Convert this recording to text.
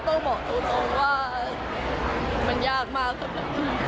ก็ต้องบอกตัวน้องว่ามันยากมากครับนะค่ะ